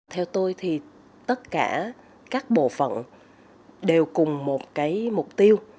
theo tôi thì tất cả các bộ phận đều cùng một cái mục tiêu